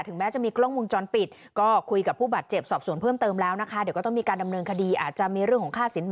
แม้จะมีกล้องวงจรปิดก็คุยกับผู้บาดเจ็บสอบสวนเพิ่มเติมแล้วนะคะเดี๋ยวก็ต้องมีการดำเนินคดีอาจจะมีเรื่องของค่าสินเห